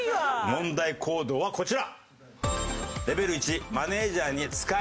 問題行動はこちら。